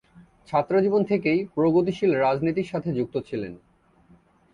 ছাত্রজীবন থেকেই প্রগতিশীল রাজনীতির সাথে যুক্ত ছিলেন।